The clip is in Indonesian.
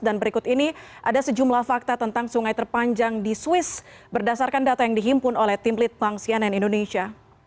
dan berikut ini ada sejumlah fakta tentang sungai terpanjang di swiss berdasarkan data yang dihimpun oleh timlit pangsianen indonesia